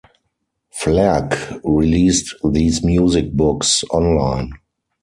Flairck released these music books online.